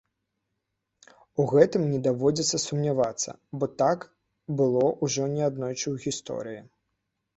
У гэтым не даводзіцца сумнявацца, бо так было ўжо неаднойчы ў гісторыі.